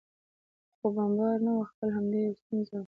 خو بمبار نه و، خپله همدې یو ستونزه وه.